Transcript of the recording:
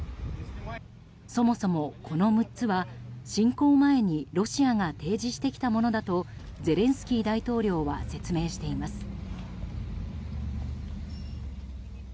そもそも、この６つは侵攻前にロシアが提示してきたものだとゼレンスキー大統領は説明しています。